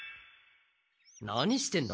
何してんだ？